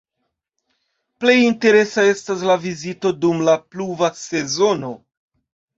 Plej interesa estas la vizito dum la pluva sezono.